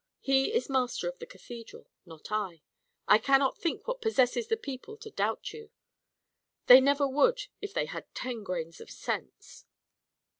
He is master of the Cathedral, not I. I cannot think what possesses the people to doubt you! They never would, if they had ten grains of sense."